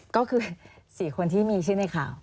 ก็คือ๔คนที่มีชื่อในข่าว